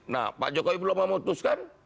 nah pak jokowi belum memutuskan